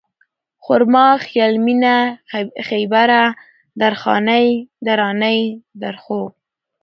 خوماره ، خيال مينه ، خيبره ، درخانۍ ، درانۍ ، درخو